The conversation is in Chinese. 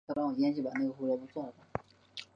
县名来自当地的河狸。